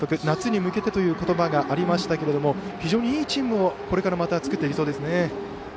夏に向けてという言葉がありましたけども非常にいいチームをこれからまた作っていきそうですね。